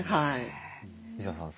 一田さん